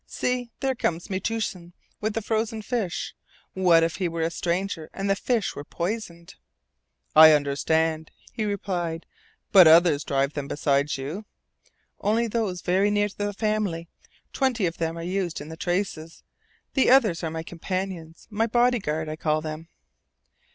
See, there comes Metoosin with the frozen fish! What if he were a stranger and the fish were poisoned?" "I understand," he replied. "But others drive them besides you?" "Only those very near to the family. Twenty of them are used in the traces. The others are my companions my bodyguard, I call them."